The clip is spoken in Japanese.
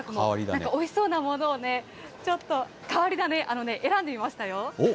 なんかおいしそうなものをね、ちょっと、変わり種、選んでみましたよ。